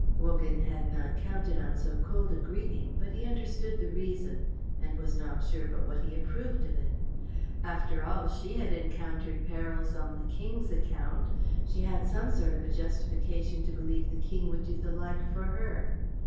Wogan had not counted on so cold a greeting, but he understood the reason, and was not sure but what he approved of it. After all, she had encountered perils on the King's account; she had some sort of a justification to believe the King would do the like for her.